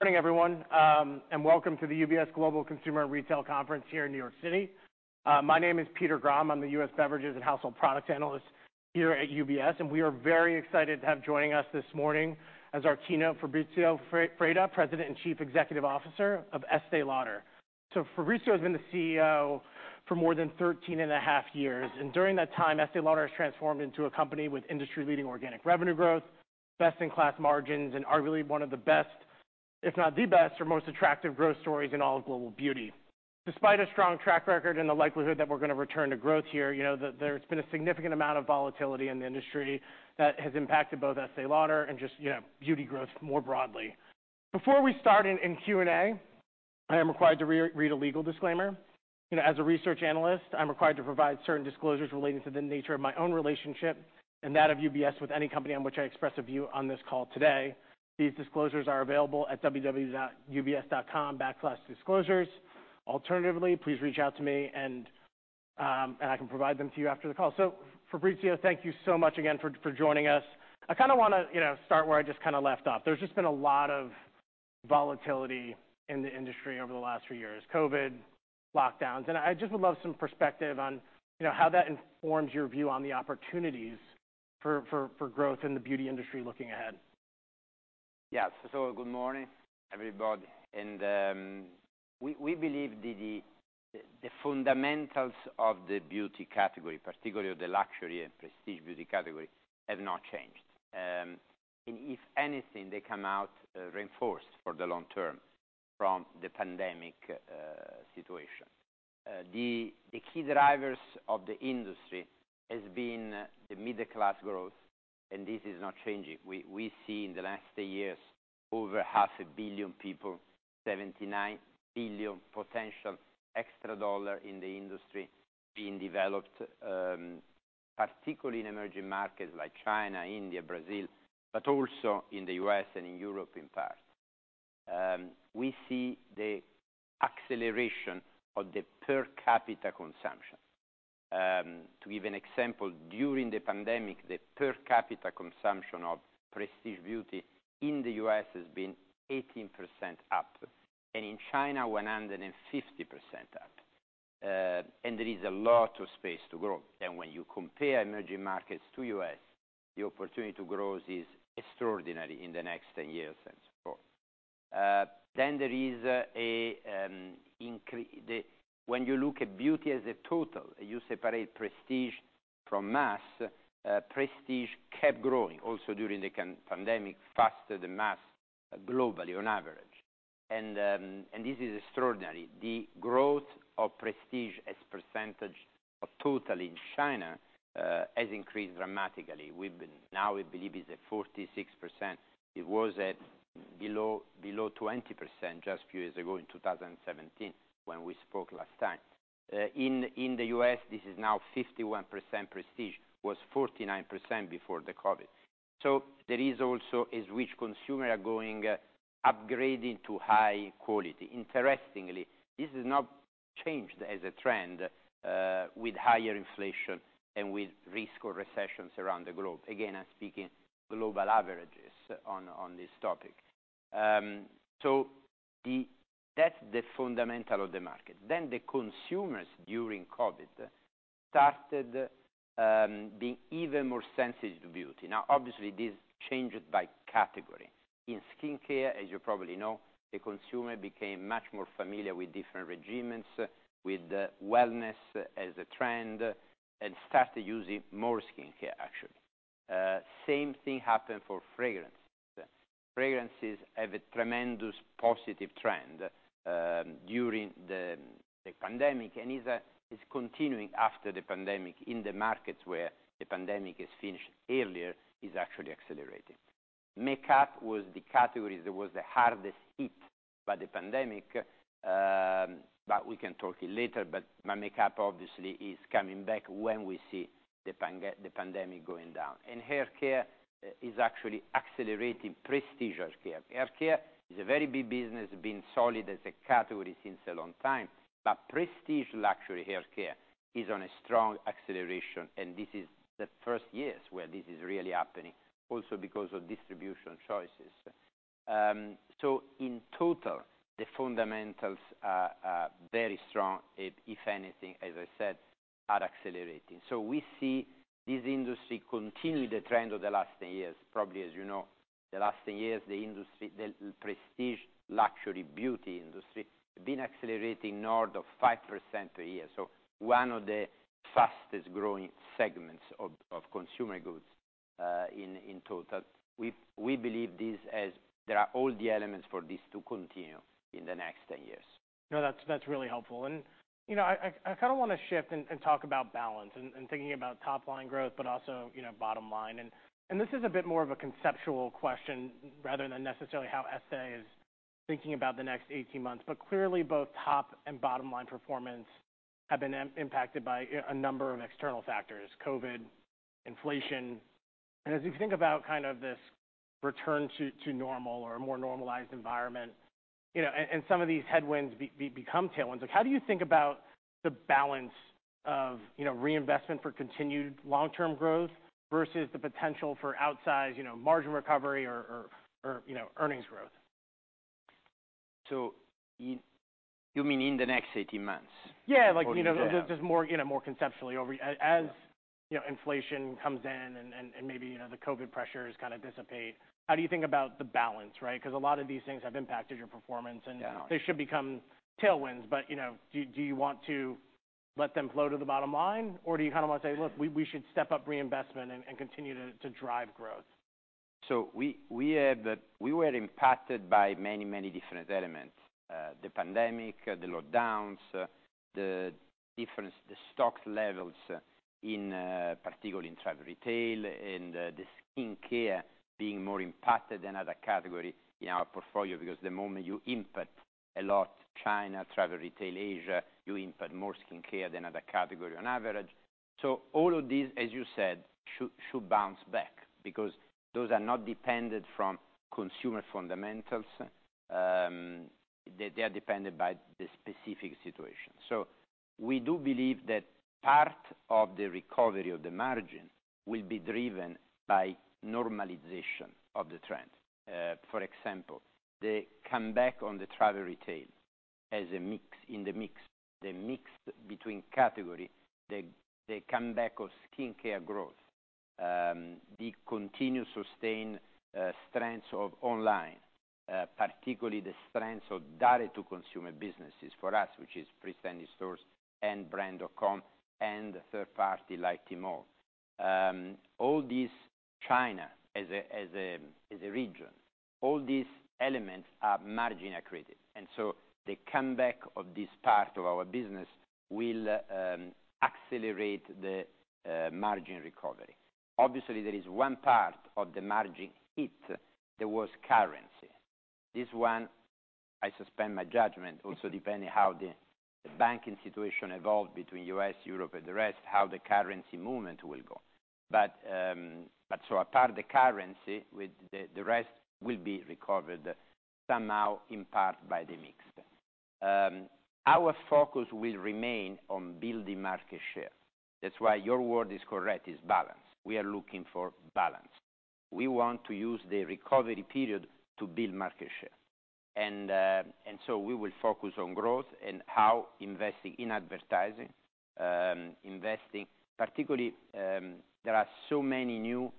Morning, everyone, welcome to the UBS Global Consumer and Retail Conference here in New York City. My name is Peter Grom. I'm the U.S. Beverages and Household Products Analyst here at UBS, we are very excited to have joining us this morning as our keynote, Fabrizio Freda, President and Chief Executive Officer of Estée Lauder. Fabrizio has been the CEO for more than 13.5 years, and during that time, Estée Lauder has transformed into a company with industry-leading organic revenue growth, best-in-class margins, and arguably one of the best, if not the best or most attractive growth stories in all of global beauty. Despite a strong track record and the likelihood that we're going to return to growth here, you know, there's been a significant amount of volatility in the industry that has impacted both Estée Lauder and just, you know, beauty growth more broadly. Before we start in Q&A, I am required to re-read a legal disclaimer. You know, as a research analyst, I'm required to provide certain disclosures relating to the nature of my own relationship and that of UBS with any company on which I express a view on this call today. These disclosures are available at www.ubs.com.backslash/disclosures. Alternatively, please reach out to me and I can provide them to you after the call. Fabrizio, thank you so much again for joining us. I kinda wanna, you know, start where I just kind of left off. There's just been a lot of volatility in the industry over the last few years, COVID lockdowns, and I just would love some perspective on, you know, how that informs your view on the opportunities for growth in the beauty industry looking ahead. Yeah. Good morning, everybody. We believe the fundamentals of the beauty category, particularly of the luxury and prestige beauty category, have not changed. If anything, they come out reinforced for the long term from the pandemic situation. The key drivers of the industry has been the middle class growth, and this is not changing. We see in the last 10 years over 500 million people, $79 billion potential extra dollar in the industry being developed, particularly in emerging markets like China, India, Brazil, but also in the U.S. and in Europe in part. We see the acceleration of the per capita consumption. To give an example, during the pandemic, the per capita consumption of prestige beauty in the U.S. has been 18% up, and in China, 150% up. There is a lot of space to grow. When you compare emerging markets to U.S., the opportunity to grow is extraordinary in the next 10 years and so forth. When you look at beauty as a total, you separate prestige from mass. Prestige kept growing also during the pandemic, faster than mass globally on average. This is extraordinary. The growth of prestige as percentage of total in China has increased dramatically. Now, we believe it's at 46%. It was at below 20% just a few years ago in 2017 when we spoke last time. In the U.S., this is now 51% prestige. It was 49% before the COVID. There is also which consumer are going upgrading to high quality. Interestingly, this has not changed as a trend, with higher inflation and with risk of recessions around the globe. Again, I'm speaking global averages on this topic. That's the fundamental of the market. The consumers during COVID started being even more sensitive to beauty. Obviously, this changed by category. In skin care, as you probably know, the consumer became much more familiar with different regimens, with wellness as a trend, and started using more skin care, actually. Same thing happened for fragrances. Fragrances have a tremendous positive trend, during the pandemic, is continuing after the pandemic. In the markets where the pandemic is finished earlier, is actually accelerating. Makeup was the category that was the hardest hit by the pandemic, we can talk it later. My makeup obviously is coming back when we see the pandemic going down. Hair care is actually accelerating prestige hair care. Hair care is a very big business, been solid as a category since a long time. Prestige luxury hair care is on a strong acceleration, and this is the first years where this is really happening, also because of distribution choices. In total, the fundamentals are very strong. If anything, as I said, are accelerating. We see this industry continue the trend of the last 10 years. Probably, as you know, the last 10 years, the industry, the prestige luxury beauty industry been accelerating north of 5% a year. One of the fastest-growing segments of consumer goods in total. We believe this as there are all the elements for this to continue in the next 10 years. No, that's really helpful. You know, I kind of want to shift and talk about balance and thinking about top-line growth, but also, you know, bottom-line. This is a bit more of a conceptual question rather than necessarily how Estée is thinking about the next 18 months. But clearly both top and bottom-line performance have been impacted by a number of external factors, COVID, inflation. As you think about kind of this return to normal or a more normalized environment. You know, and some of these headwinds become tailwinds. Like, how do you think about the balance of, you know, reinvestment for continued long-term growth versus the potential for outsized, you know, margin recovery or, you know, earnings growth? you mean in the next 18 months? Yeah. Like, you know. Yeah... just more, you know, more conceptually over as, you know, inflation comes in and maybe, you know, the COVID pressures kind of dissipate, how do you think about the balance, right? Because a lot of these things have impacted your performance. Yeah... they should become tailwinds. you know, do you want to let them flow to the bottom-line, or do you kind of want to say, "Look, we should step up reinvestment and continue to drive growth"? We were impacted by many, many different elements. The pandemic, the lockdowns, the difference, the stock levels in particularly in travel retail, and the skin care being more impacted than other category in our portfolio. The moment you impact a lot China, travel retail Asia, you impact more skin care than other category on average. All of these, as you said, should bounce back because those are not dependent from consumer fundamentals, they are dependent by the specific situation. We do believe that part of the recovery of the margin will be driven by normalization of the trend. For example, the comeback on the travel retail as a mix, in the mix, the mix between category, the comeback of skin care growth, the continuous sustained strengths of online, particularly the strengths of direct-to-consumer businesses for us, which is freestanding stores and Brand.com and third party like Tmall. All these China as a region, all these elements are margin accretive, the comeback of this part of our business will accelerate the margin recovery. Obviously, there is one part of the margin hit that was currency. This one, I suspend my judgment also depending how the banking situation evolved between U.S., Europe, and the rest, how the currency movement will go. Apart the currency with the rest will be recovered somehow in part by the mix. Our focus will remain on building market share. That's why your word is correct, is balance. We are looking for balance. We want to use the recovery period to build market share. We will focus on growth and how investing in advertising, particularly, there are so many new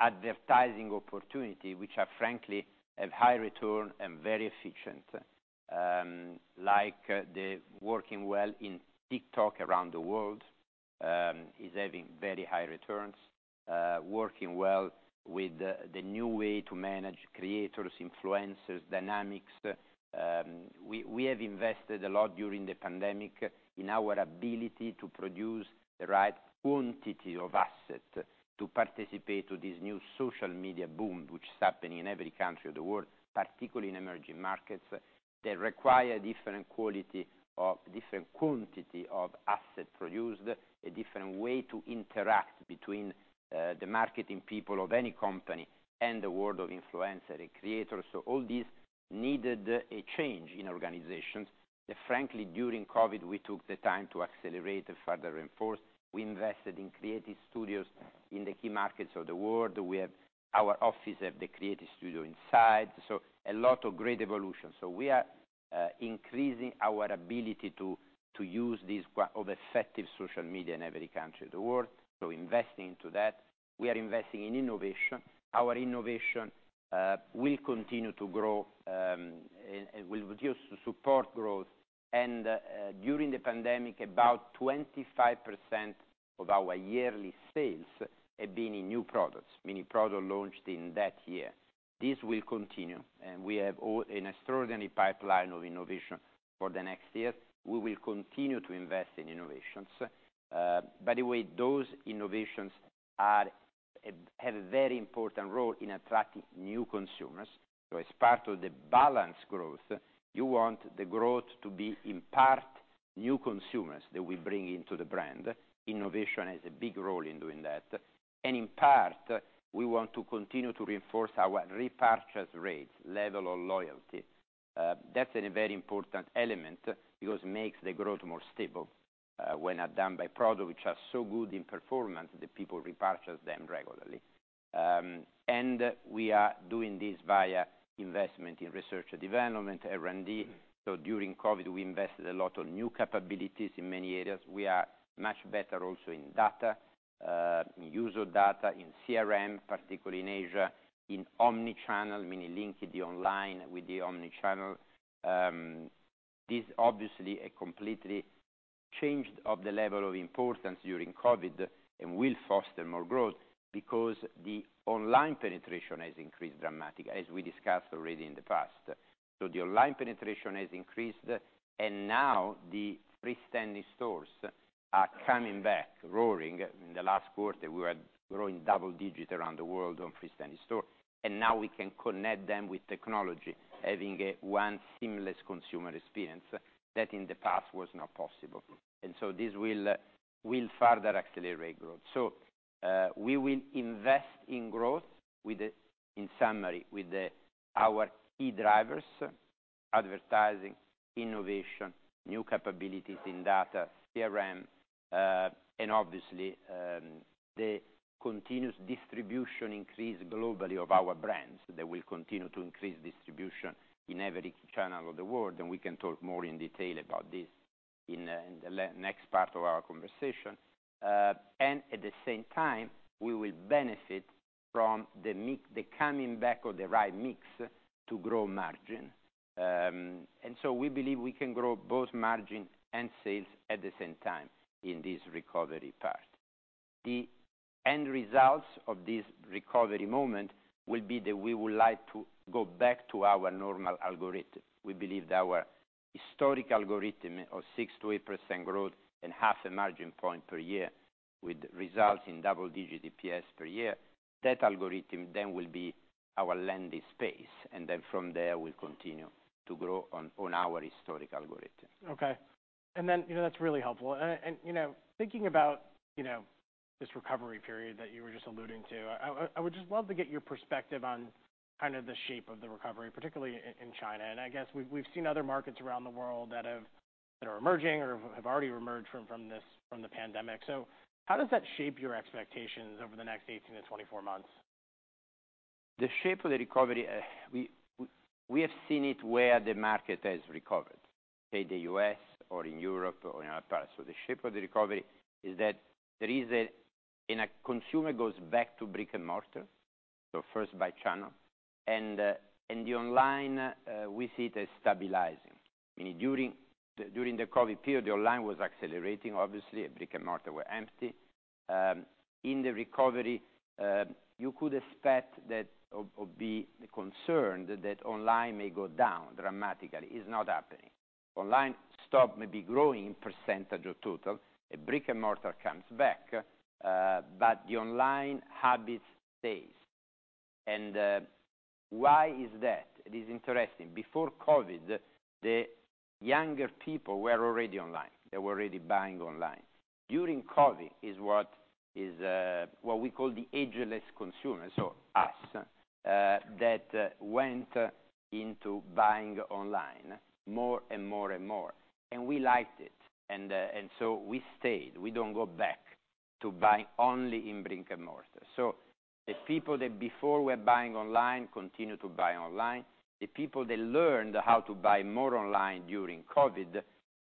advertising opportunity which are frankly have high return and very efficient. Like the working well in TikTok around the world, is having very high returns, working well with the new way to manage creators, influencers, dynamics. we have invested a lot during the pandemic in our ability to produce the right quantity of asset to participate to this new social media boom, which is happening in every country of the world, particularly in emerging markets, that require different quantity of asset produced, a different way to interact between the marketing people of any company and the world of influencer and creators. All these needed a change in organizations. Frankly, during COVID, we took the time to accelerate and further reinforce. We invested in creative studios in the key markets of the world. We have our office at the creative studio inside, so a lot of great evolution. We are increasing our ability to use these of effective social media in every country of the world, so investing into that. We are investing in innovation. Our innovation will continue to grow and will continue to support growth. During the pandemic, about 25% of our yearly sales have been in new products, meaning product launched in that year. This will continue, and we have all an extraordinary pipeline of innovation for the next year. We will continue to invest in innovations. By the way, those innovations have a very important role in attracting new consumers. As part of the balanced growth, you want the growth to be in part new consumers that we bring into the brand. Innovation has a big role in doing that. In part, we want to continue to reinforce our repurchase rate, level of loyalty. That's a very important element because it makes the growth more stable, when are done by product which are so good in performance that people repurchase them regularly. We are doing this via investment in research and development, R&D. During COVID, we invested a lot on new capabilities in many areas. We are much better also in data, in user data, in CRM, particularly in Asia, in omnichannel, meaning linking the online with the omnichannel. This obviously a completely changed of the level of importance during COVID and will foster more growth because the online penetration has increased dramatically, as we discussed already in the past. The online penetration has increased, and now the freestanding stores are coming back roaring. In the last quarter, we were growing double-digit around the world on freestanding store. Now we can connect them with technology, having a one seamless consumer experience that in the past was not possible. This will further accelerate growth. We will invest in growth in summary, with our key drivers advertising, innovation, new capabilities in data, CRM, and obviously, the continuous distribution increase globally of our brands that will continue to increase distribution in every channel of the world, and we can talk more in detail about this in the next part of our conversation. At the same time, we will benefit from the coming back of the right mix to grow margin. We believe we can grow both margin and sales at the same time in this recovery part. The end results of this recovery moment will be that we would like to go back to our normal algorithm. We believe that our historic algorithm of 6%-8% growth and 0.5 margin point per year would result in double-digit EPS per year. That algorithm then will be our landing space. From there, we'll continue to grow on our historic algorithm. Okay. you know, that's really helpful. you know, thinking about, you know, this recovery period that you were just alluding to, I, I would just love to get your perspective on kind of the shape of the recovery, particularly in China. We've, we've seen other markets around the world that are emerging or have already emerged from this, from the pandemic. How does that shape your expectations over the next 18-24 months? The shape of the recovery, we have seen it where the market has recovered, say, the U.S. or in Europe or in other parts. The shape of the recovery is that there is a consumer goes back to brick-and-mortar, so first by channel, and the online we see it as stabilizing. Meaning during the COVID period, the online was accelerating, obviously, brick-and-mortar were empty. In the recovery, you could expect that or be concerned that online may go down dramatically. It's not happening. Online stop may be growing in % of total, a brick-and-mortar comes back, but the online habits stays. Why is that? It is interesting. Before COVID, the younger people were already online. They were already buying online. During COVID is what we call the ageless consumer, so us that went into buying online more and more and more. And we liked it. And so we stayed. We don't go back to buying only in brick-and-mortar. The people that before were buying online continue to buy online. The people that learned how to buy more online during COVID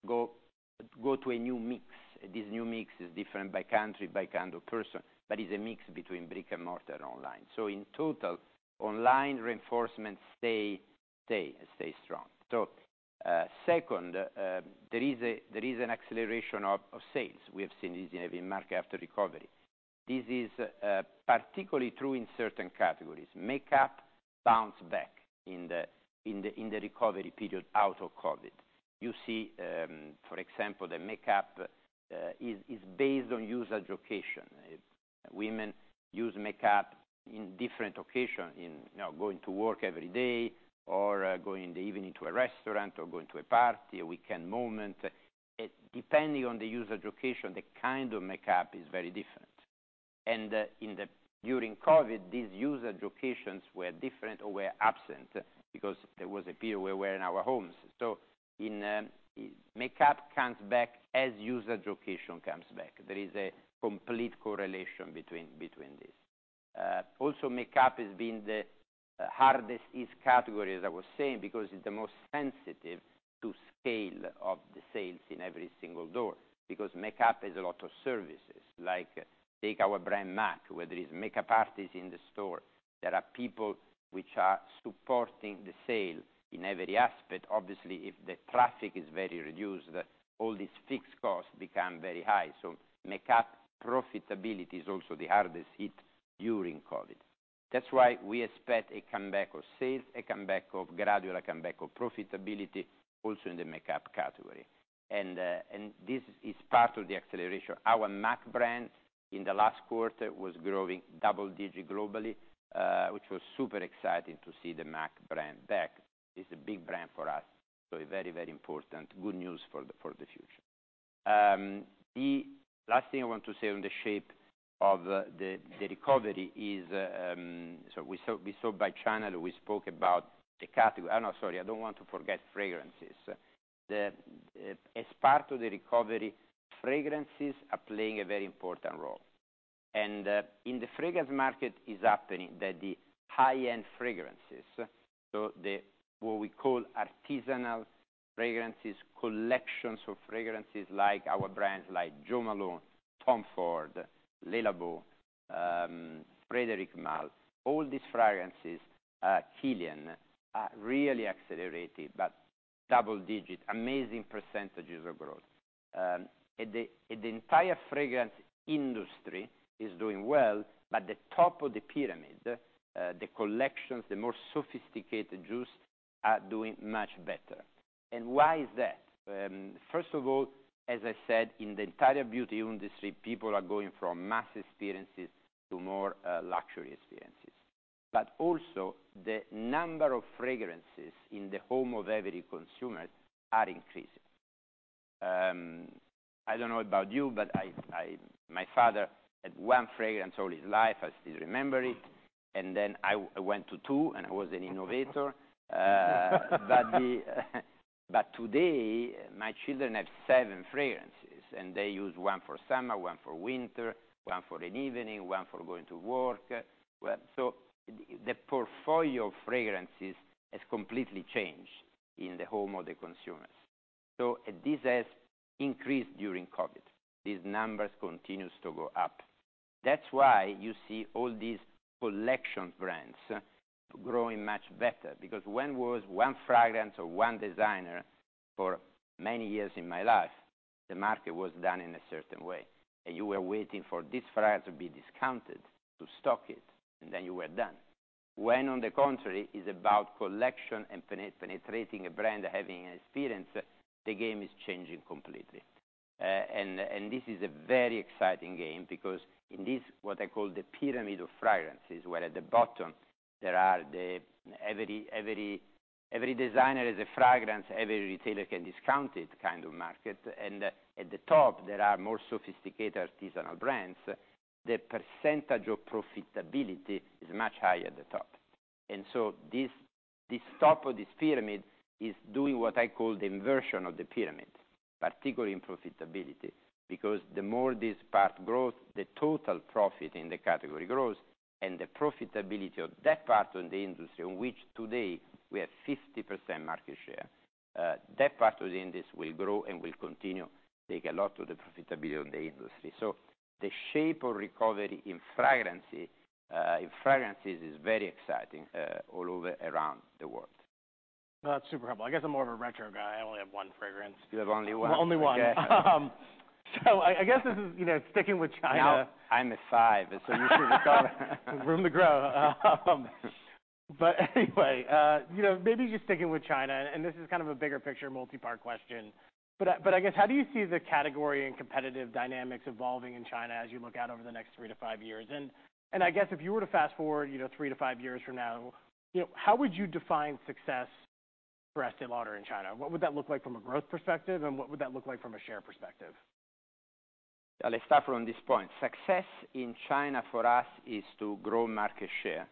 go to a new mix. This new mix is different by country, by kind of person, but it's a mix between brick-and-mortar and online. In total, online reinforcement stay strong. Second, there is an acceleration of sales. We have seen this in every market after recovery. This is particularly true in certain categories. Makeup bounced back in the recovery period out of COVID. You see, for example, the makeup is based on usage occasion. Women use makeup in different occasion, in, you know, going to work every day or going in the evening to a restaurant or going to a party, a weekend moment. Depending on the usage occasion, the kind of makeup is very different. During COVID, these usage occasions were different or were absent because there was a period where we're in our homes. In makeup comes back as usage occasion comes back. There is a complete correlation between these. Also, makeup has been the hardest hit category, as I was saying, because it's the most sensitive to scale of the sales in every single door, because makeup has a lot of services. Like take our brand M·A·C, where there is makeup artists in the store. There are people which are supporting the sale in every aspect. Obviously, if the traffic is very reduced, all these fixed costs become very high. Makeup profitability is also the hardest hit during COVID. That's why we expect a comeback of sales, gradual comeback of profitability also in the makeup category. This is part of the acceleration. Our M·A·C brand in the last quarter was growing double-digit globally, which was super exciting to see the M·A·C brand back. It's a big brand for us, so very, very important. Good news for the future. The last thing I want to say on the shape of the recovery is, we saw by channel, we spoke about no, sorry, I don't want to forget fragrances. As part of the recovery, fragrances are playing a very important role. In the fragrance market, it's happening that the high-end fragrances, so what we call artisanal fragrances, collections of fragrances like our brands like Jo Malone London, TOM FORD, LE LABO, Frédéric Malle, all these fragrances, KILIAN, really accelerated, but double-digit, amazing percentages of growth. The entire fragrance industry is doing well, but the top of the pyramid, the collections, the more sophisticated juice are doing much better. Why is that? First of all, as I said, in the entire beauty industry, people are going from mass experiences to more luxury experiences. Also, the number of fragrances in the home of every consumer are increasing. I don't know about you, but my father had one fragrance all his life. I still remember it. I went to two, and I was an innovator. Today, my children have seven fragrances, and they use one for summer, one for winter, one for an evening, one for going to work. The portfolio of fragrances has completely changed in the home of the consumers. This has increased during COVID. These numbers continues to go up. You see all these collection brands growing much better, because when was one fragrance or one designer for many years in my life, the market was done in a certain way, and you were waiting for this fragrance to be discounted to stock it, and then you were done. On the contrary, it's about collection and penetrating a brand, having an experience, the game is changing completely. This is a very exciting game because in this, what I call the pyramid of fragrances, where at the bottom there are the every designer has a fragrance, every retailer can discount it kind of market, and at the top, there are more sophisticated artisanal brands, the percentage of profitability is much higher at the top. This top of this pyramid is doing what I call the inversion of the pyramid, particularly in profitability, because the more this part grows, the total profit in the category grows, and the profitability of that part of the industry, on which today we have 50% market share, that part of the industry will grow and will continue to take a lot of the profitability of the industry. The shape of recovery in fragrancy, in fragrances is very exciting, all over around the world. That's super helpful. I guess I'm more of a retro guy. I only have one fragrance. You have only one? Only one. Okay. I guess this is, you know, sticking with China... Now I'm at five, and so you should as well. Room to grow. Anyway, you know, maybe just sticking with China, and this is kind of a bigger picture, multi-part question. I guess, how do you see the category and competitive dynamics evolving in China as you look out over the next three to five years? I guess if you were to fast-forward, you know, three to five years from now, you know, how would you define success for Estée Lauder in China? What would that look like from a growth perspective, and what would that look like from a share perspective? Let's start from this point. Success in China for us is to grow market share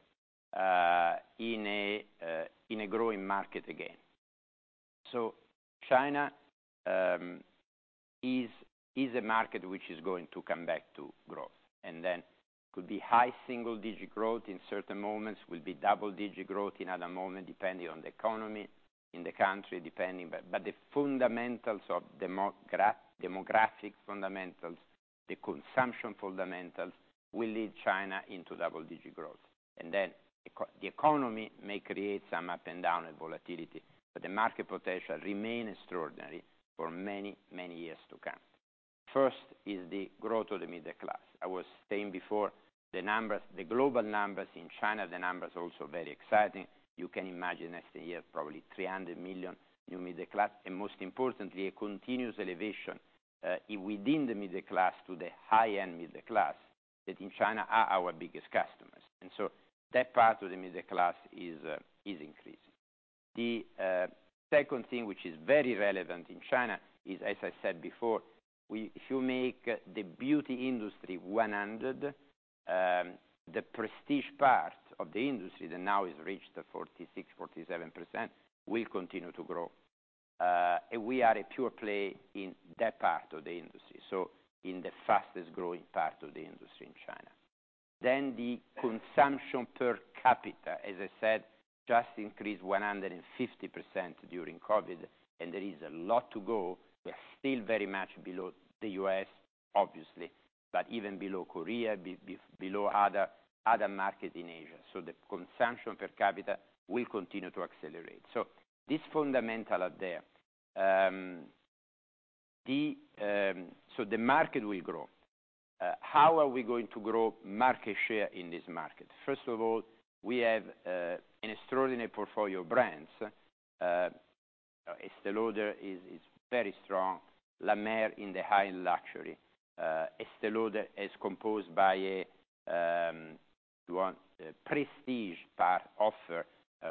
in a growing market again. China is a market which is going to come back to growth, and then could be high single-digit growth in certain moments, will be double-digit growth in other moment, depending on the economy in the country, depending... The fundamentals of demographic fundamentals, the consumption fundamentals, will lead China into double-digit growth. The economy may create some up and down and volatility, but the market potential remain extraordinary for many, many years to come. First is the growth of the middle class. I was saying before, the numbers, the global numbers in China, the numbers also very exciting. You can imagine next year, probably 300 million new middle class, and most importantly, a continuous elevation, within the middle class to the high-end middle class that in China are our biggest customers. That part of the middle class is increasing. The second thing which is very relevant in China is, as I said before, if you make the beauty industry 100, the prestige part of the industry that now has reached 46%, 47% will continue to grow. We are a pure play in that part of the industry, so in the fastest-growing part of the industry in China. The consumption per capita, as I said, just increased 150% during COVID, and there is a lot to go. We're still very much below the U.S., obviously, but even below Korea, below other market in Asia. The consumption per capita will continue to accelerate. This fundamental are there. The market will grow. How are we going to grow market share in this market? First of all, we have an extraordinary portfolio of brands. Estée Lauder is very strong. La Mer in the high-end luxury. Estée Lauder is composed by one prestige part offer,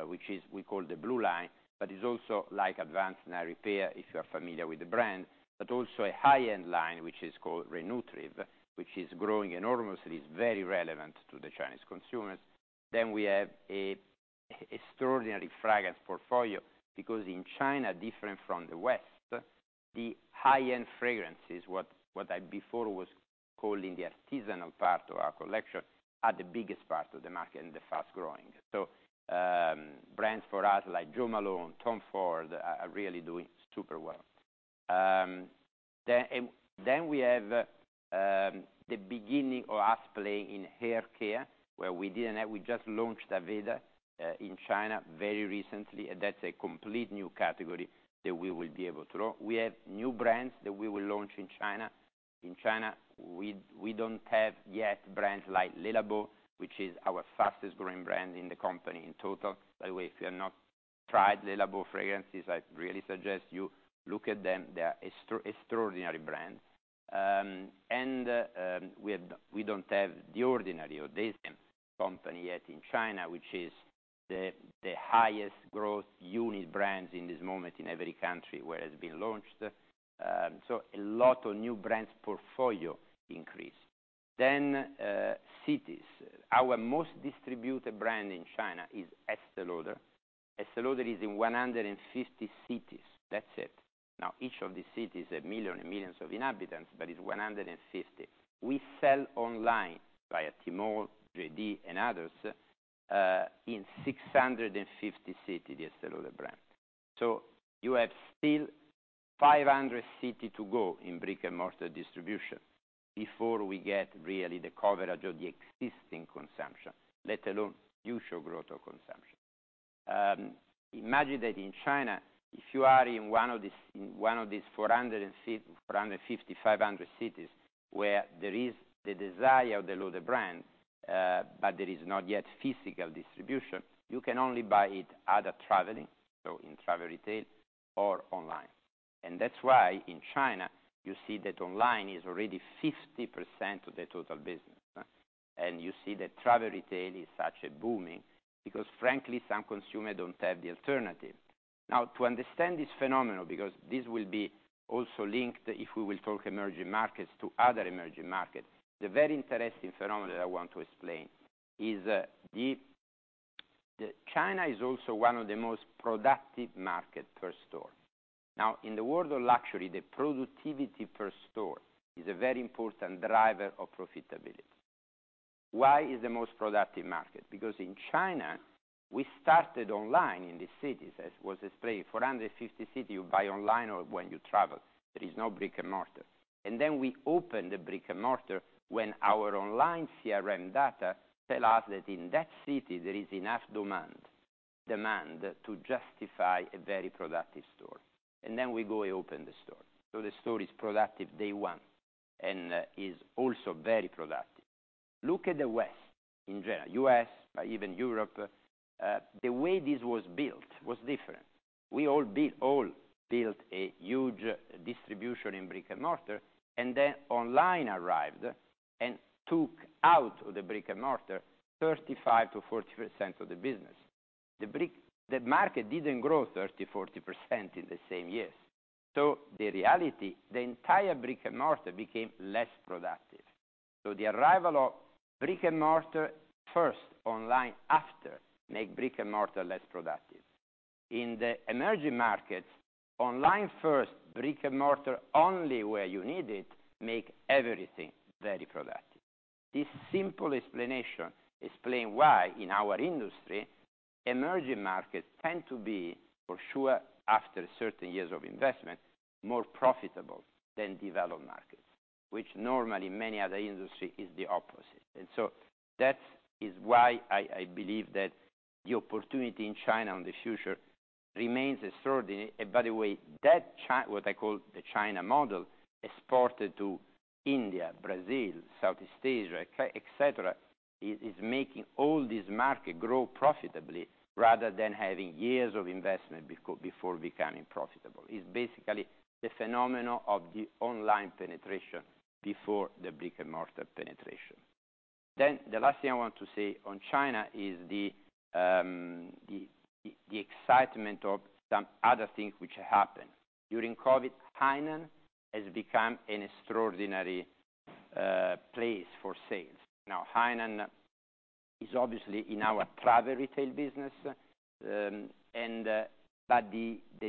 which is we call the Blue Line, but is also like Advanced Night Repair, if you are familiar with the brand, but also a high-end line, which is called Re-Nutriv, which is growing enormously. It's very relevant to the Chinese consumers. We have an extraordinary fragrance portfolio, because in China, different from the West, the high-end fragrances, what I before was calling the artisanal part of our collection, are the biggest part of the market and the fast-growing. Brands for us like Jo Malone London, TOM FORD are really doing super well. We have the beginning of us playing in hair care, where we didn't have, we just launched Aveda in China very recently, and that's a complete new category that we will be able to grow. We have new brands that we will launch in China. In China, we don't have yet brands like LE LABO, which is our fastest growing brand in the company in total. By the way, if you have not tried LE LABO fragrances, I really suggest you look at them. They are extraordinary brand. We don't have The Ordinary or DECIEM company yet in China, which is the highest growth unit brands in this moment in every country where it's been launched. A lot of new brands portfolio increase. Cities. Our most distributed brand in China is Estée Lauder. Estée Lauder is in 150 cities. That's it. Now, each of these cities have million and millions of inhabitants, but it's 150. We sell online via Tmall, JD, and others, in 650 cities, the Estée Lauder brand. You have still 500 city to go in brick-and-mortar distribution before we get really the coverage of the existing consumption, let alone future growth of consumption. Imagine that in China, if you are in one of these 450, 500 cities where there is the desire of the Lauder brand, but there is not yet physical distribution, you can only buy it either traveling, so in travel retail, or online. That's why in China you see that online is already 50% of the total business. You see that travel retail is actually booming because frankly, some consumer don't have the alternative. To understand this phenomenon, because this will be also linked, if we will talk emerging markets to other emerging markets, the very interesting phenomenon I want to explain is, the China is also one of the most productive market per store. In the world of luxury, the productivity per store is a very important driver of profitability. Why is the most productive market? Because in China, we started online in the cities, as was explained, 450 city, you buy online or when you travel. There is no brick-and-mortar. We opened the brick-and-mortar when our online CRM data tell us that in that city, there is enough demand to justify a very productive store. We go open the store. So the store is productive day one and is also very productive. Look at the West in general, U.S., even Europe, the way this was built was different. We all built a huge distribution in brick-and-mortar, online arrived and took out of the brick-and-mortar 35%-40% of the business. The market didn't grow 30%, 40% in the same years. The reality, the entire brick-and-mortar became less productive. The arrival of brick-and-mortar first, online after, make brick-and-mortar less productive. In the emerging markets, online first, brick-and-mortar only where you need it, make everything very productive. This simple explanation explain why in our industry, emerging markets tend to be, for sure, after certain years of investment, more profitable than developed markets, which normally many other industry is the opposite. That is why I believe that the opportunity in China in the future remains extraordinary. By the way, that what I call the China model, exported to India, Brazil, Southeast Asia, et cetera, is making all this market grow profitably rather than having years of investment before becoming profitable. It's basically the phenomenon of the online penetration before the brick-and-mortar penetration. The last thing I want to say on China is the excitement of some other things which happened. During COVID, Hainan has become an extraordinary place for sales. Hainan is obviously in our travel retail business, and the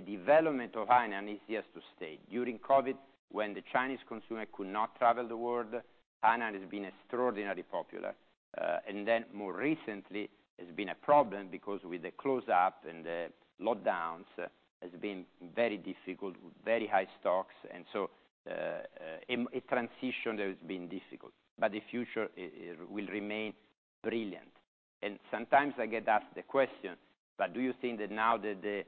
development of Hainan is here to stay. During COVID, when the Chinese consumer could not travel the world, Hainan has been extraordinarily popular. More recently, has been a problem because with the close up and the lockdowns, has been very difficult with very high stocks. A transition that has been difficult, the future will remain brilliant. Sometimes I get asked the question, "Do you think that now that the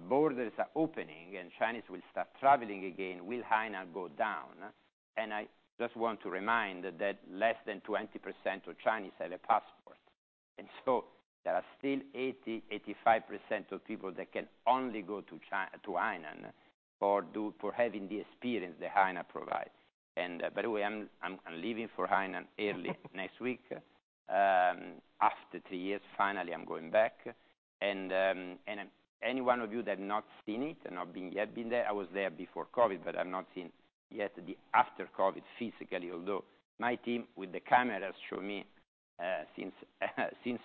borders are opening and Chinese will start traveling again, will Hainan go down?" I just want to remind that less than 20% of Chinese have a passport. So there are still 80%-85% of people that can only go to Hainan for having the experience that Hainan provide. By the way, I'm leaving for Hainan early next week, after three years, finally, I'm going back. Any one of you that have not seen it and not been yet been there, I was there before COVID, but I've not seen yet the after COVID physically, although my team with the cameras show me since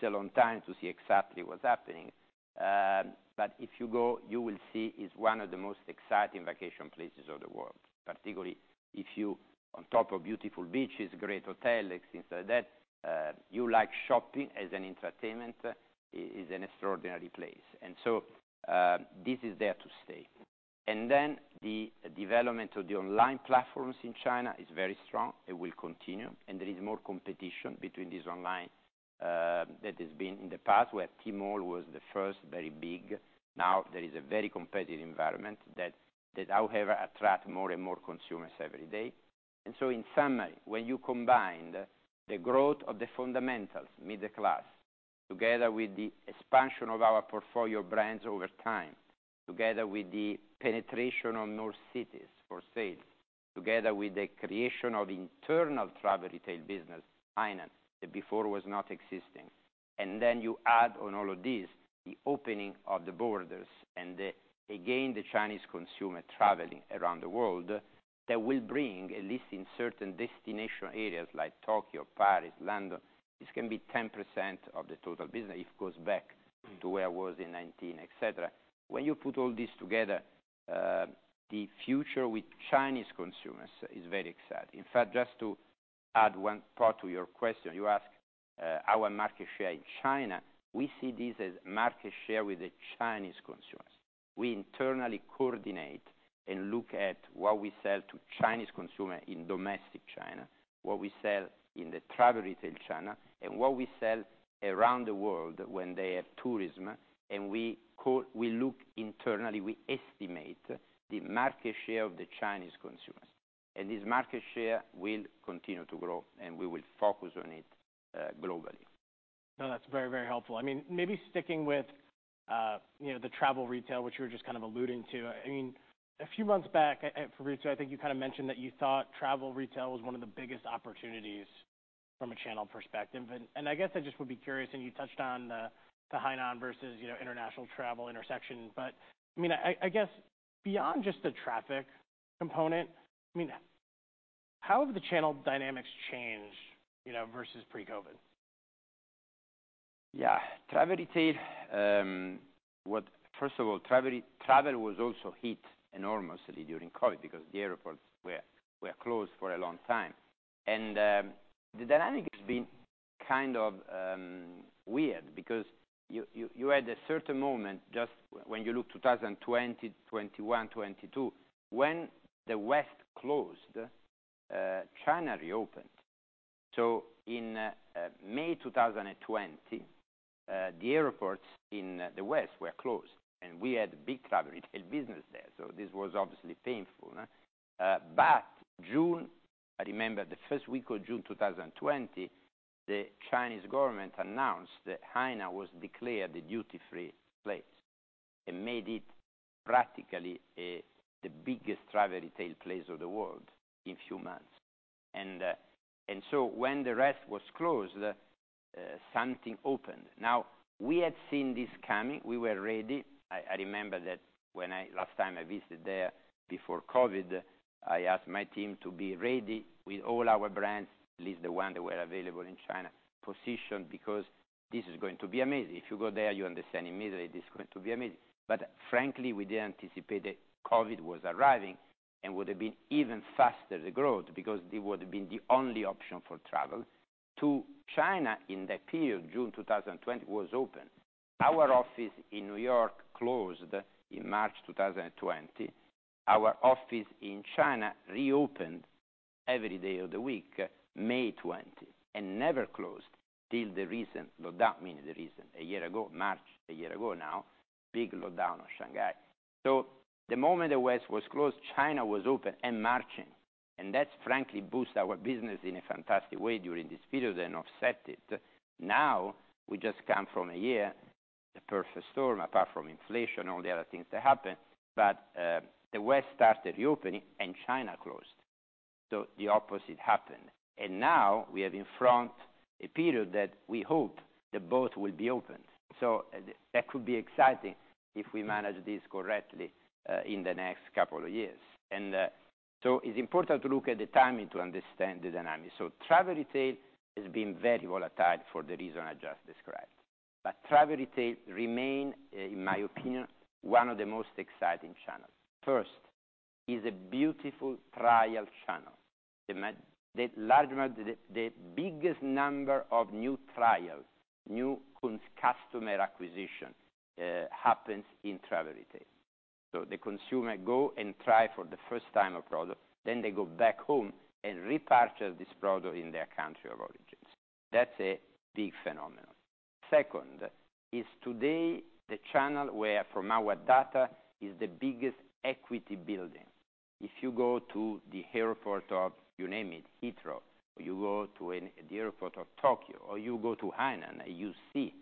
a long time to see exactly what's happening. If you go, you will see it's one of the most exciting vacation places of the world, particularly if you, on top of beautiful beaches, great hotels, things like that, you like shopping as an entertainment, is an extraordinary place. This is there to stay. The development of the online platforms in China is very strong. It will continue. There is more competition between these online, that has been in the past, where Tmall was the first very big. Now there is a very competitive environment that however attract more and more consumers every day. In summary, when you combine the growth of the fundamentals, middle class, together with the expansion of our portfolio of brands over time, together with the penetration of more cities for sales. Together with the creation of internal travel retail business, Hainan, that before was not existing. Then you add on all of this, the opening of the borders and again, the Chinese consumer traveling around the world, that will bring, at least in certain destination areas like Tokyo, Paris, London, this can be 10% of the total business if it goes back to where it was in 2019, et cetera. You put all this together, the future with Chinese consumers is very exciting. Just to add one part to your question, you asked our market share in China. We see this as market share with the Chinese consumers. We internally coordinate and look at what we sell to Chinese consumer in domestic China, what we sell in the travel retail China, and what we sell around the world when they have tourism, and we look internally, we estimate the market share of the Chinese consumers. This market share will continue to grow, and we will focus on it, globally. No, that's very, very helpful. I mean, maybe sticking with, you know, the travel retail, which you were just kind of alluding to. I mean, a few months back, Fabrizio, I think you kind of mentioned that you thought travel retail was one of the biggest opportunities from a channel perspective. I guess I just would be curious, and you touched on, the Hainan versus, you know, international travel intersection. I mean, I guess beyond just the traffic component, I mean, how have the channel dynamics changed, you know, versus pre-COVID? Yeah. Travel retail, First of all, travel was also hit enormously during COVID because the airports were closed for a long time. The dynamic has been kind of weird because you had a certain moment just when you look 2020, 2021, 2022, when the West closed, China reopened. In May 2020, the airports in the West were closed, and we had big travel retail business there. This was obviously painful. June, I remember the first week of June 2020, the Chinese government announced that Hainan was declared a duty-free place and made it practically the biggest travel retail place of the world in few months. When the rest was closed, something opened. Now, we had seen this coming. We were ready. I remember that when last time I visited there before COVID, I asked my team to be ready with all our brands, at least the ones that were available in China, positioned because this is going to be amazing. If you go there, you understand immediately this is going to be amazing. Frankly, we didn't anticipate that COVID was arriving and would have been even faster the growth because it would have been the only option for travel to China in that period. June 2020 was open. Our office in New York closed in March 2020. Our office in China reopened every day of the week, May 2020, and never closed till the recent lockdown, meaning the recent, a year ago, March, a year ago now, big lockdown of Shanghai. The moment the West was closed, China was open and marching, and that frankly boost our business in a fantastic way during this period and offset it. Now, we just come from a year, the perfect storm, apart from inflation, all the other things that happened. The West started reopening and China closed. The opposite happened. Now we are in front a period that we hope that both will be opened. That could be exciting if we manage this correctly in the next couple of years. It's important to look at the timing to understand the dynamics. Travel retail has been very volatile for the reason I just described. Travel retail remain, in my opinion, one of the most exciting channels. First, is a beautiful trial channel. The large amount... The biggest number of new trials, new customer acquisition, happens in travel retail. The consumer go and try for the first time a product, then they go back home and repurchase this product in their country of origins. That's a big phenomenon. Second, is today the channel where from our data is the biggest equity building. If you go to the airport of, you name it, Heathrow, or you go to the airport of Tokyo, or you go to Hainan, you see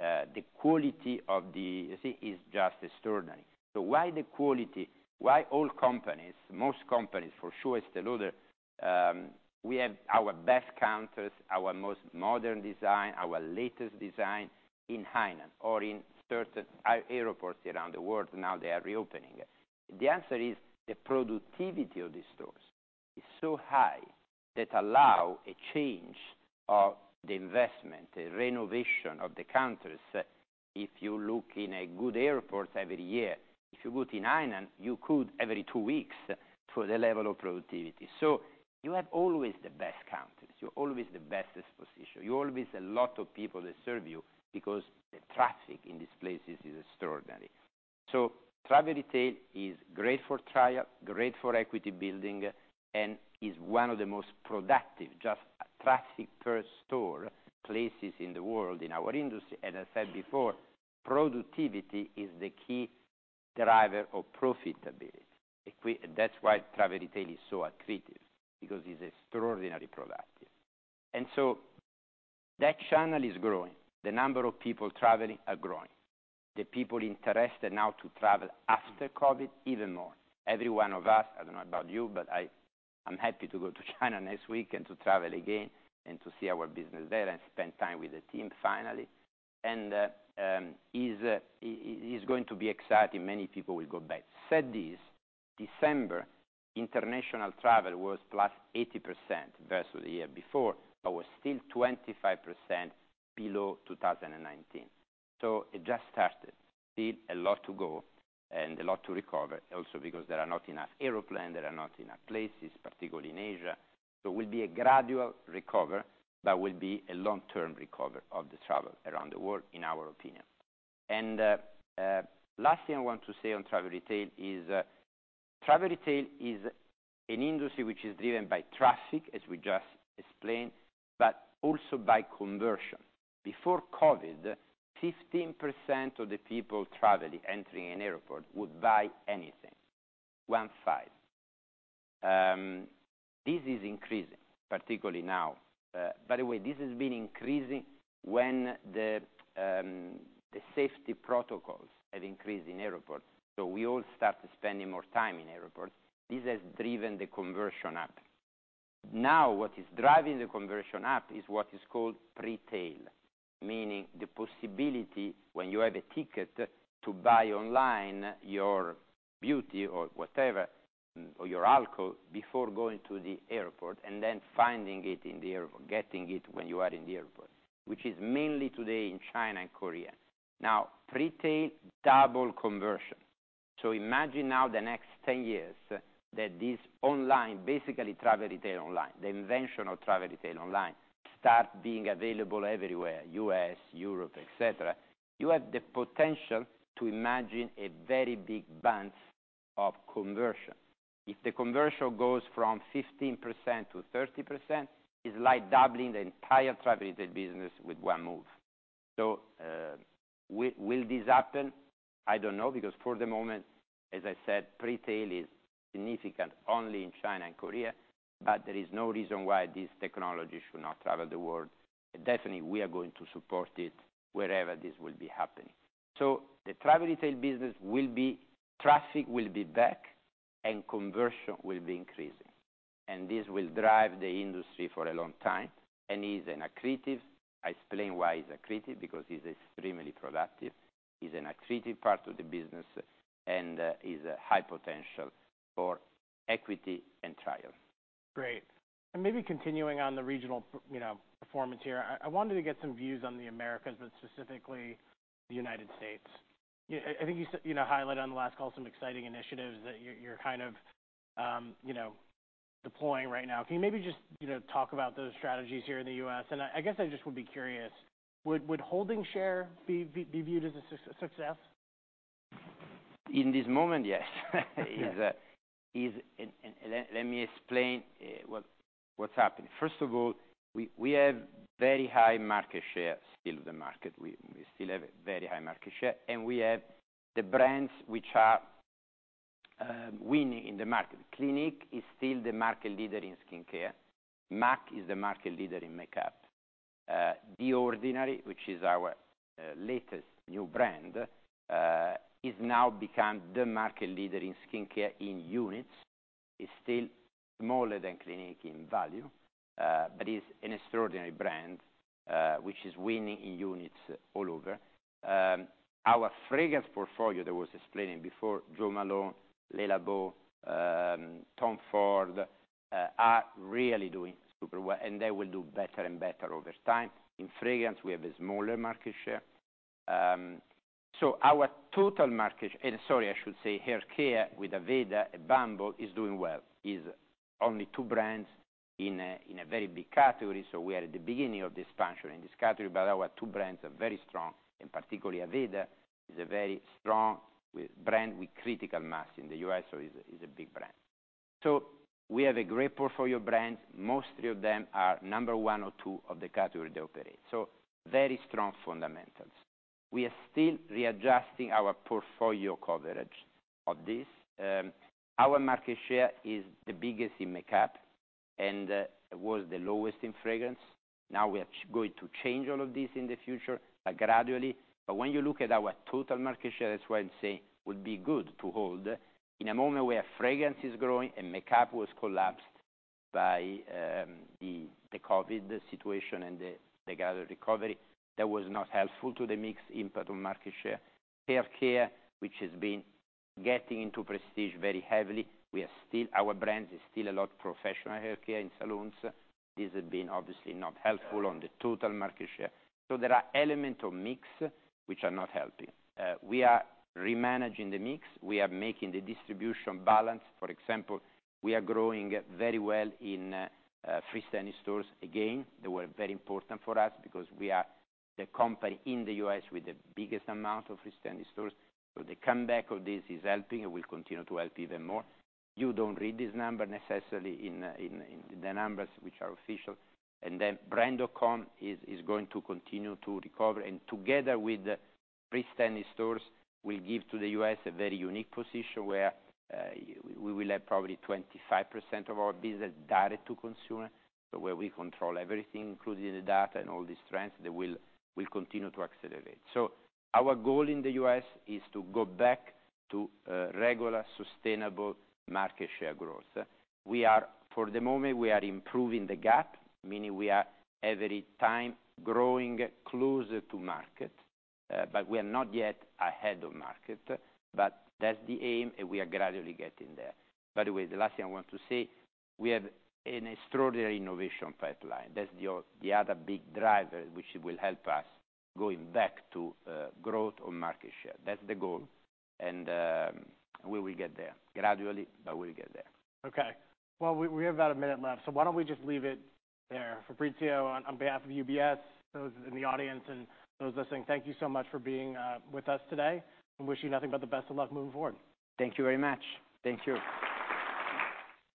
the quality of the... you see is just extraordinary. Why the quality? Why all companies, most companies, for sure, Estée Lauder, we have our best counters, our most modern design, our latest design in Hainan or in certain airports around the world, now they are reopening. The answer is the productivity of these stores is so high that allow a change of the investment, the renovation of the counters. If you look in a good airport every year, if you go to Hainan, you could every two weeks for the level of productivity. You have always the best counters. You're always the best positioned. You're always a lot of people that serve you because the traffic in these places is extraordinary. Travel retail is great for trial, great for equity building, and is one of the most productive, just traffic per store, places in the world in our industry. I said before, productivity is the key driver of profitability. That's why travel retail is so attractive, because it's extraordinarily productive. That channel is growing. The number of people traveling are growing. The people interested now to travel after COVID even more. Every one of us, I don't know about you, but I'm happy to go to China next week and to travel again and to see our business there and spend time with the team finally. Is going to be exciting. Many people will go back. Said this, December international travel was +80% versus the year before, but was still 25% below 2019. It just started. Still a lot to go and a lot to recover also because there are not enough airplane, there are not enough places, particularly in Asia. It will be a gradual recover, but will be a long-term recover of the travel around the world, in our opinion. Last thing I want to say on travel retail is travel retail is an industry which is driven by traffic, as we just explained, but also by conversion. Before COVID, 15% of the people traveling, entering an airport would buy anything. 15%. This is increasing, particularly now. By the way, this has been increasing when the safety protocols have increased in airports. We all start spending more time in airports. This has driven the conversion up. What is driving the conversion up is what is called pre-tail, meaning the possibility when you have a ticket to buy online your beauty or whatever, or your alcohol before going to the airport and then finding it in the airport, getting it when you are in the airport, which is mainly today in China and Korea. Pre-tail, double conversion. Imagine now the next 10 years that this online, basically travel retail online, the invention of travel retail online, start being available everywhere, US, Europe, et cetera. You have the potential to imagine a very big bump of conversion. If the conversion goes from 15% to 30%, it's like doubling the entire travel retail business with one move. Will this happen? I don't know, because for the moment, as I said, pre-tail is significant only in China and Korea, but there is no reason why this technology should not travel the world. Definitely, we are going to support it wherever this will be happening. The travel retail business. Traffic will be back and conversion will be increasing, and this will drive the industry for a long time and is an accretive. I explain why it's accretive, because it's extremely productive. It's an accretive part of the business and is a high potential for equity and trial. Great. Maybe continuing on the regional you know, performance here. I wanted to get some views on the Americas, but specifically the United States. I think you said, you know, highlighted on the last call some exciting initiatives that you're kind of, you know, deploying right now. Can you maybe just, you know, talk about those strategies here in the U.S.? I guess I just would be curious, would holding share be viewed as a success? In this moment, yes. Let me explain what's happening. First of all, we have very high market share, still the market. We still have a very high market share. We have the brands which are winning in the market. CLINIQUE is still the market leader in skin care. M·A·C is the market leader in makeup. The Ordinary, which is our latest new brand, is now become the market leader in skin care in units. It's still smaller than CLINIQUE in value. It is an extraordinary brand which is winning in units all over. Our fragrance portfolio that was explaining before, Jo Malone London, LE LABO, TOM FORD, are really doing super well. They will do better and better over time. In fragrance, we have a smaller market share. Our total market... Sorry, I should say hair care with Aveda and Bumble and bumble is doing well. Is only two brands in a very big category. We are at the beginning of this function in this category, but our two brands are very strong, and particularly Aveda is a very strong brand with critical mass in the U.S. Is a big brand. We have a great portfolio brand. Most of them are number one or two of the category they operate. Very strong fundamentals. We are still readjusting our portfolio coverage of this. Our market share is the biggest in makeup and was the lowest in fragrance. Now we are going to change all of this in the future, but gradually. When you look at our total market share, that's why I'm saying would be good to hold. In a moment where fragrance is growing and makeup was collapsed by the COVID situation and the gather recovery, that was not helpful to the mix impact on market share. Hair care, which has been getting into prestige very heavily. Our brands is still a lot professional hair care in salons. This has been obviously not helpful on the total market share. There are elements of mix which are not helping. We are re-managing the mix. We are making the distribution balance. For example, we are growing very well in freestanding stores again. They were very important for us because we are the company in the U.S. with the biggest amount of freestanding stores. The comeback of this is helping and will continue to help even more. You don't read this number necessarily in the numbers which are official. Then Brand.com is going to continue to recover. Together with freestanding stores, we give to the U.S. a very unique position where we will have probably 25% of our business direct-to-consumer, but where we control everything, including the data and all the strengths that will continue to accelerate. Our goal in the U.S. is to go back to regular, sustainable market share growth. For the moment, we are improving the gap, meaning we are every time growing closer to market, but we are not yet ahead of market. That's the aim, and we are gradually getting there. By the way, the last thing I want to say, we have an extraordinary innovation pipeline. That's the other big driver, which will help us going back to growth on market share. That's the goal. We will get there. Gradually, but we'll get there. Okay. Well, we have about a minute left, why don't we just leave it there. Fabrizio, on behalf of UBS, those in the audience and those listening, thank you so much for being with us today. I wish you nothing but the best of luck moving forward. Thank you very much. Thank you.